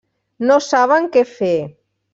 No saben què fer.